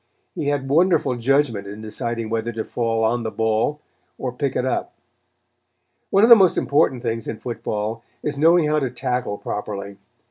He had wonderful judgment in deciding whether to fall on the ball or pick it up. One of the most important things in football is knowing how to tackle properly.